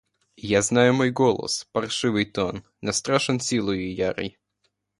Я знаю мой голос: паршивый тон, но страшен силою ярой.